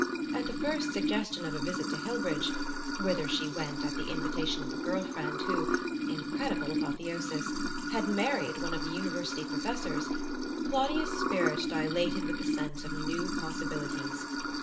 At the first suggestion of a visit to Hillbridge whither she went at the invitation of a girl friend who (incredible apotheosis!) had married one of the University professors Claudia's spirit dilated with the sense of new possibilities.